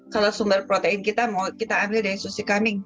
kalau sumber protein kita mau kita ambil dari susu kambing